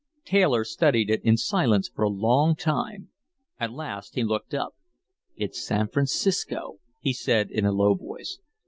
Taylor studied it in silence for a long time. At last he looked up. "It's San Francisco," he said in a low voice.